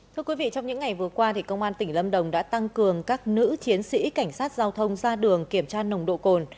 thưa quý vị trong những ngày vừa qua công an tỉnh lâm đồng đã tăng cường các nữ chiến sĩ cảnh sát giao thông ra đường kiểm tra nồng độ cồn